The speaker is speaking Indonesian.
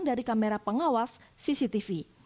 dari kamera pengawas cctv